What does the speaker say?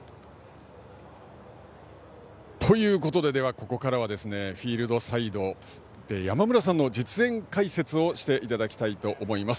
ここからはフィールドサイドで山村さんの実演解説をしていただきたいと思います。